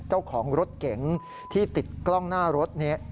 เจ้าของรถเก๋งที่ติดกล้องหน้ารถนี้